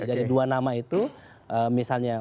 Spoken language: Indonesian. dari dua nama itu misalnya